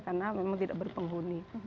karena memang tidak berpenghuni